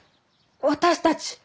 私たち。